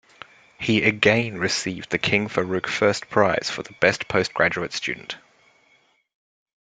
He again received the King Farouk First Prize for the best postgraduate student.